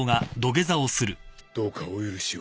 どうかお許しを。